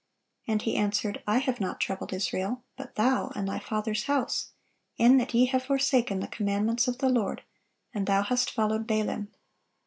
And he answered, I have not troubled Israel; but thou, and thy father's house, in that ye have forsaken the commandments of the Lord, and thou hast followed Baalim."